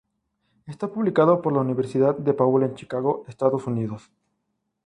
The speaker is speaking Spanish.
Está publicado por la Universidad DePaul en Chicago, Estados Unidos.